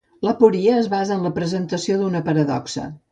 L'aporia es basa en la presentació d'una paradoxa.